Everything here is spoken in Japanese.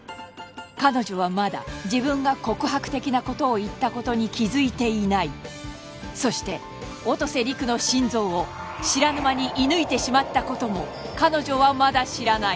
彼女はまだ自分が告白的なことを言ったことに気づいていないそして音瀬陸の心臓を知らぬ間に射ぬいてしまったことも彼女はまだ知らない